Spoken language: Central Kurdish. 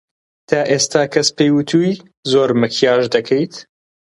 تا ئێستا کەس پێی وتووی زۆر ماکیاژ دەکەیت؟